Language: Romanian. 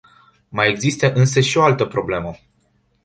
Mai există însă și o altă problemă.